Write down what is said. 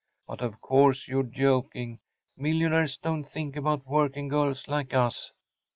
But of course you’re joking‚ÄĒmillionaires don’t think about working girls like us.